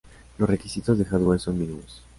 Los requisitos de hardware son mínimos.